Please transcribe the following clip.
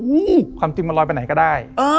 ความจริงมันลอยไปไหนก็ได้